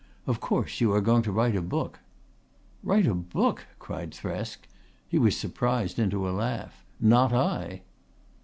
Of course you are going to write a book." "Write a book!" cried Thresk. He was surprised into a laugh. "Not I."